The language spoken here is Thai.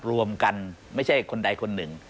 รวมกันไม่ใช่คนใดคนหนึ่ง